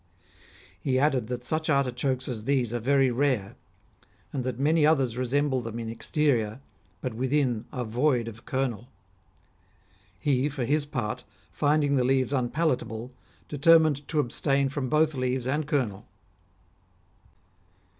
He added that such artichokes as these are very rare ; and that many others resemble them in exterior, but within are void of kernel. He for his part, finding the leaves unpalatable, determined to abstain from both leaves and kernel.